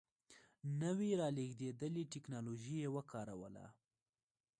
نوې رالېږدېدلې ټکنالوژي یې وکاروله.